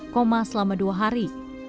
koma selama dua hari